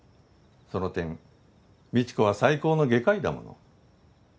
その点未知子は最高の外科医だもの。